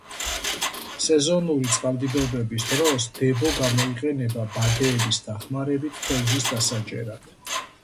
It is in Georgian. სეზონური წყალდიდობების დროს დებო გამოიყენება ბადეების დახმარებით თევზის დასაჭერად.